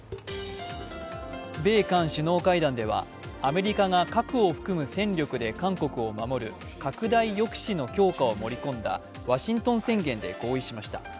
米韓首脳会談ではアメリカが核を含む戦力で、韓国を守る拡大抑止の強化を盛り込んだワシントン宣言で合意しました。